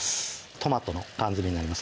トマトの缶詰になります